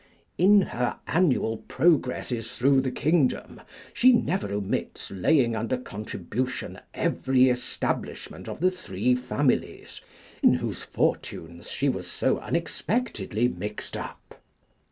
In her annual progresses through the kingdom she never omits laying under contribution every establishment of the three families, in whose fortunes she was so unexpectedly mixed up.